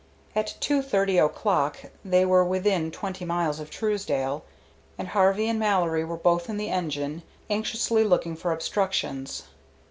At two thirty o'clock they were within twenty miles of Truesdale, and Harvey and Mallory were both in the engine, anxiously looking for obstructions.